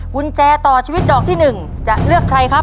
กุญแจต่อชีวิตดอกที่๑จะเลือกใครครับ